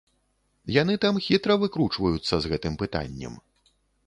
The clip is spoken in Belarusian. Яны там хітра выкручваюцца з гэтым пытаннем.